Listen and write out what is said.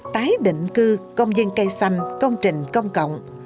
tái định cư công dân cây xanh công trình công cộng